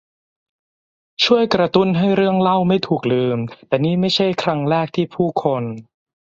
ช่วยกระตุ้นให้เรื่องเล่าไม่ถูกลืม แต่นี่ไม่ใช่ครั้งแรกที่ผู้คน